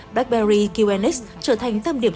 blackberry qnx trở thành tâm điểm